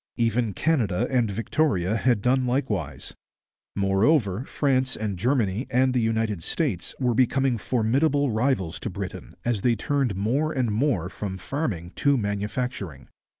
Even Canada and Victoria had done likewise. Moreover, France and Germany and the United States were becoming formidable rivals to Britain, as they turned more and more from farming to manufacturing.